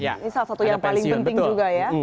ini salah satu yang paling penting juga ya